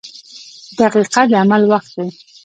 • دقیقه د عمل وخت دی.